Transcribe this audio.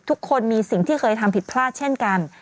ทุกคนมีสิ่งที่เคยทำผิดพลาดเช่นกัน